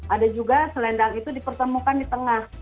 ada juga selendang itu dipertemukan di tengah